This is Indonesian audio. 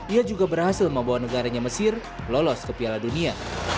ia juga berhasil membawa negaranya mesir lolos ke piala dunia